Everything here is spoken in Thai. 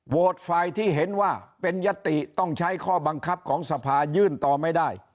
ฝ่ายที่เห็นว่าเป็นยติต้องใช้ข้อบังคับของสภายื่นต่อไม่ได้